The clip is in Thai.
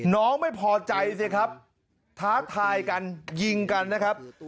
น้องไม่พอใจสิครับท้าทายกันยิงกันนะครับ